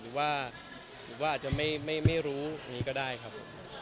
หรือว่าผมว่าอาจจะไม่รู้อย่างนี้ก็ได้ครับผม